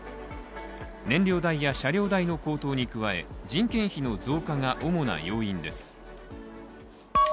燃料代や車両代の高騰に加え人件費の増加が主な要因です。